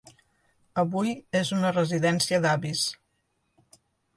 Avui és una residència d'avis.